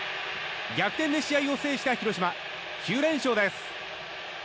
逆転で試合を制した広島９連勝です。